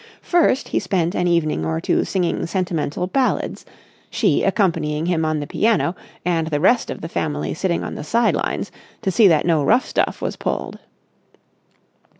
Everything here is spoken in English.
First, he spent an evening or two singing sentimental ballads, she accompanying him on the piano and the rest of the family sitting on the side lines to see that no rough stuff was pulled.